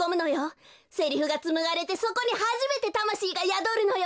セリフがつむがれてそこにはじめてたましいがやどるのよ。